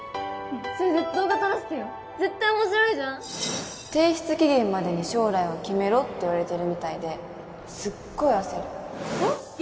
それ動画撮らせてよ絶対面白いじゃん提出期限までに将来を決めろって言われてるみたいですごい焦るＯＫ！